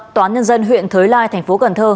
toán nhân dân huyện thới lai thành phố cần thơ